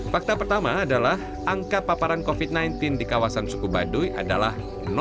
fakta pertama adalah angka paparan covid sembilan belas di kawasan suku baduy adalah